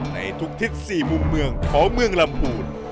ในทุกทิศ๔มุมเมืองของเมืองลำพูน